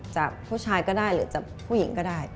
จะผู้ชายก็ได้หรือจะผู้หญิงก็ได้